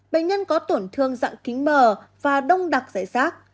bệnh nhân có tổn thương dạng kính mờ và đông đặc giải rác